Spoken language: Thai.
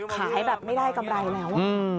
ขายแบบไม่ได้กำไรแล้ว